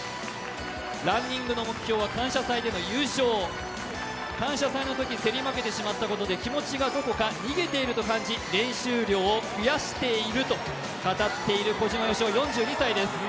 ランニングの目標は「感謝祭」での優勝、「感謝祭」のとき競り負けてしまったことで、気持ちがどこか逃げていると感じ、練習量を増やしていると語っている小島よしお４２歳です。